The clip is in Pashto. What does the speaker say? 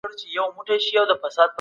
مسلکي کسان بايد په دندو وګمارل سي.